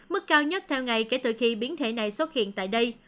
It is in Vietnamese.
mức cao nhất theo ngày kể từ khi biến thể này xuất hiện tại đây